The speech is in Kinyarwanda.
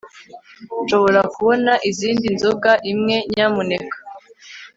Nshobora kubona izindi nzoga imwe nyamuneka